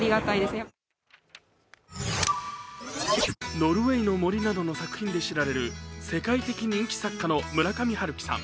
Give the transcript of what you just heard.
「ノルウェイの森」などの作品で知られる世界的人気作家の村上春樹さん。